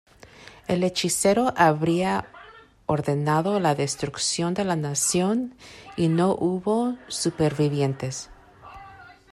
El hechicero habría ordenado la destrucción de la nación y no hubo supervivientes.